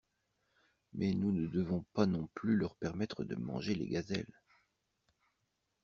Mais nous ne devons pas non plus leur permettre de manger les gazelles.